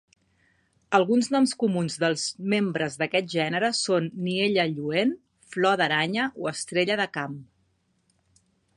Alguns noms comuns dels membres d'aquest gènere són niella lluent, flor d'aranya o estrella de camp.